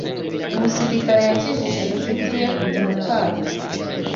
Umusirikare yakijije inshuti ye kujya mukato